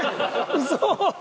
ウソ！